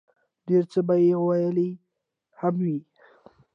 ډېر څۀ به ئې ويلي هم وي